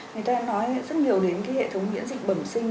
người ta đã nói rất nhiều đến cái hệ thống miễn dịch bẩm sinh